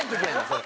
それ。